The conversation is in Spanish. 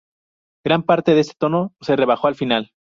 Gran parte de este tono se rebajó al final.